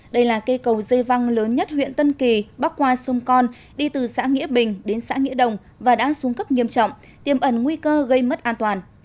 đây là cây cầu dây văng lớn nhất huyện tân kỳ bắc qua sông con đi từ xã nghĩa bình đến xã nghĩa đồng và đã xuống cấp nghiêm trọng tiêm ẩn nguy cơ gây mất an toàn